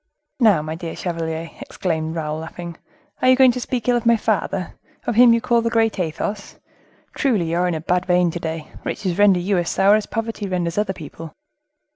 "Now, my dear chevalier," exclaimed Raoul, laughing, "are you going to speak ill of my father, of him you call the great Athos? Truly you are in a bad vein to day; riches render you as sour as poverty renders other people."